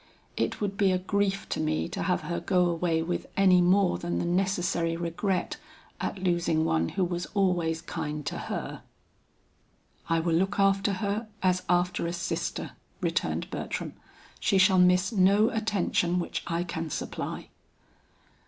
It would be a grief to me to have her go away with any more than the necessary regret at losing one who was always kind to her." "I will look after her as after a sister," returned Bertram. "She shall miss no attention which I can supply."